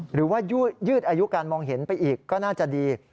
หรือว่ายืดอายุการมองเห็นไปอีกก็น่าจะดี